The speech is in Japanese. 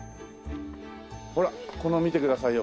ほらこの見てくださいよ。